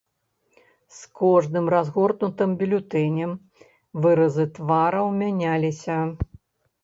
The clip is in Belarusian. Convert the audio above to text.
З кожным разгорнутым бюлетэнем выразы твараў мяняліся.